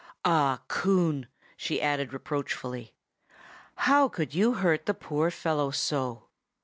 "Ah, Coon," she added reproachfully, "how could you hurt the poor fellow so?